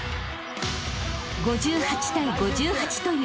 ［５８対５８という大接戦］